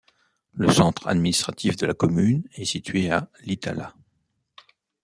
Le centre administratif de la commune est situé à Iittala.